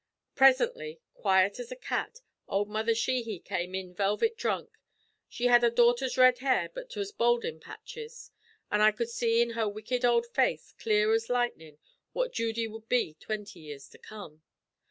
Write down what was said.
"Presently, quiet as a cat, ould Mother Sheehy came in velvet dhrunk. She had her daughter's red hair, but 'twas bald in patches, an' I cud see in her wicked ould face, clear as lightnin', what Judy wud be twenty year to come.